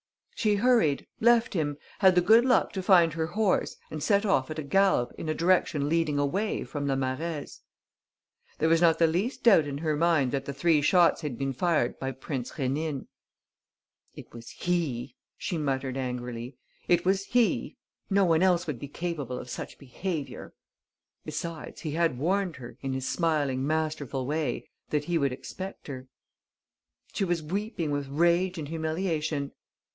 She hurried, left him, had the good luck to find her horse and set off at a gallop in a direction leading away from La Marèze. There was not the least doubt in her mind that the three shots had been fired by Prince Rénine. "It was he," she muttered, angrily, "it was he. No one else would be capable of such behaviour." Besides, he had warned her, in his smiling, masterful way, that he would expect her. She was weeping with rage and humiliation.